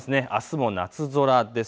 あすも夏空です。